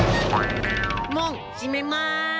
門閉めます。